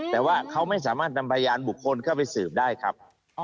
แต่ว่าเขาไม่สามารถนำพยานบุคคลเข้าไปสืบได้ครับ